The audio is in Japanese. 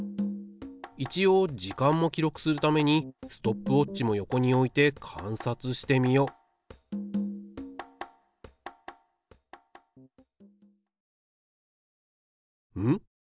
一応時間も記録するためにストップウォッチも横に置いて観察してみよううん？